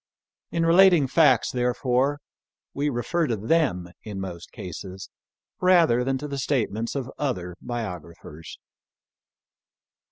In relating facts therefore, we refer to them in most cases, rather than to the statements of other biographers.